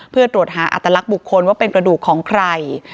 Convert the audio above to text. เพื่อตรวจหาอัตลักษณ์บุคคลว่าเป็นกระดูกของใคร